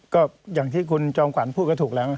ก็อย่างที่คุณจอมขวัญพูดก็ถูกแล้ว